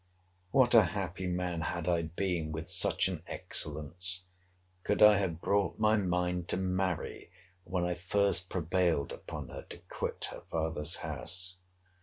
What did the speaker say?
What a happy man had I been with such an excellence, could I have brought my mind to marry when I first prevailed upon her to quit her father's house!